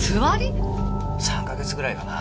３か月ぐらいかな？